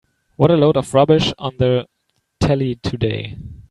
What a load of rubbish on the telly today.